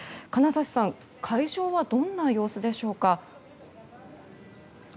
金指さん、会場はどんな様子でしょうか。